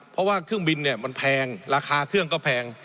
เพราะว่าเครื่องบินเนี่ยมันแพงราคาเครื่องก็แพง